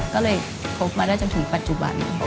ก็เลยพบมาได้จนถึงปัจจุบัน